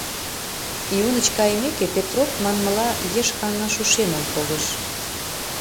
Ионыч кайымеке, Петроп, манмыла, еш каҥаш-ушемым погыш.